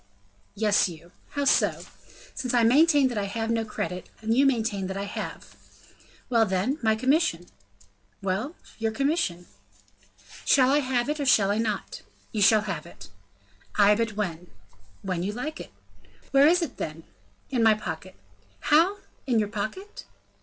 "Yes, you." "How so?" "Since I maintain that I have no credit, and you maintain I have." "Well, then, my commission?" "Well, your commission?" "Shall I have it, or shall I not?" "You shall have it." "Ay, but when?" "When you like." "Where is it, then?" "In my pocket." "How in your pocket?"